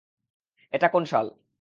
এটা কোন সাল?